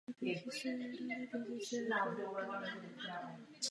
Většinu času proto strávila na reprezentativních plavbách po světě.